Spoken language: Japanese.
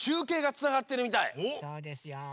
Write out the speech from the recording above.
そうですよ。